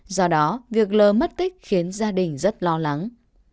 do đó việc lờ mất tích khiến gia đình rất lo lắng